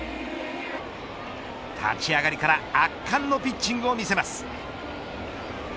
立ち上がりから圧巻のピッチングを見せます。